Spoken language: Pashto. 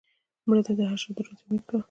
مړه ته د حشر د ورځې امید کوو